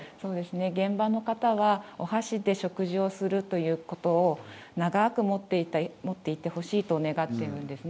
現場の方はお箸で食事をするということを長く持っていてほしいと願っているんですね。